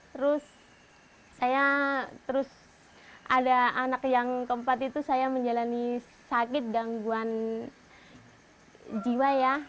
terus saya terus ada anak yang keempat itu saya menjalani sakit gangguan jiwa ya